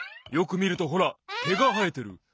よくみるとほらけがはえてる。